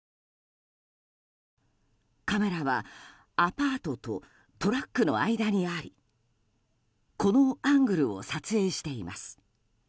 カメラはアパートとトラックの間にありこのアングルを撮影しています。